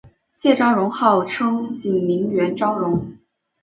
谢昭容号称景宁园昭容。